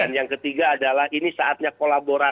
dan yang ketiga adalah ini saatnya kolaborasi